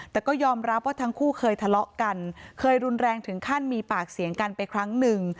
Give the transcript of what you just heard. แต่ก็ยอมรับว่าทั้งคู่เคยทะเลาะกันเคยรุนแรงถึงขั้นมีปากเสียงกันไปครั้งหนึ่ง